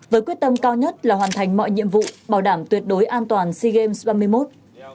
với quyết tâm cao nhất là hoàn thành mọi nhiệm vụ bảo đảm tuyệt đối an toàn sea games ba mươi một